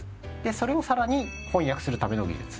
それを更に翻訳するための技術。